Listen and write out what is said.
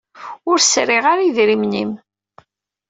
Ur sriɣ ara i idrimen-im.